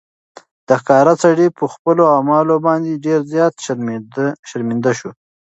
ښکاري سړی په خپلو اعمالو باندې ډېر زیات شرمنده شو.